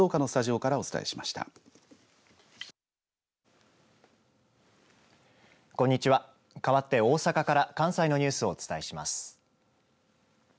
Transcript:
かわって大阪から関西のニュースをお伝えします。